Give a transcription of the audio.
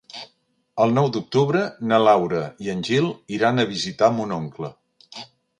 El nou d'octubre na Laura i en Gil iran a visitar mon oncle.